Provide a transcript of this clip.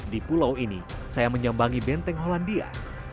di pulau ini saya menyembangi benteng hollandia